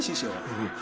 うん。